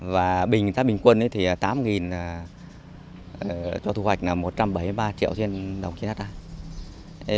và bình quân thì tám cho thu hoạch một trăm bảy mươi ba triệu trên đồng chín hectare